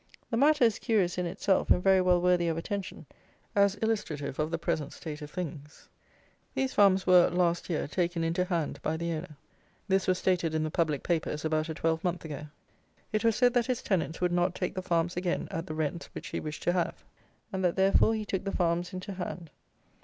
The matter is curious in itself, and very well worthy of attention, as illustrative of the present state of things. These farms were, last year, taken into hand by the owner. This was stated in the public papers about a twelvemonth ago. It was said that his tenants would not take the farms again at the rent which he wished to have, and that therefore he took the farms into hand.